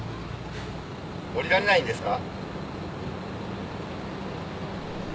降りられないんですか？